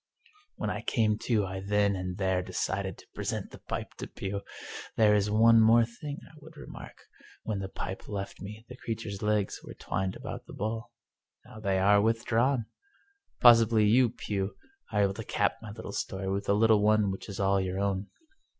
When I came to I then and there decided to pre sent the pipe to Pugh. There is one more thing I would remark. When the pipe left me the creature's legs were twined about the bowl. Now they are withdrawn. Pos sibly you, Pugh, are able to cap my story with a little one which is all your own."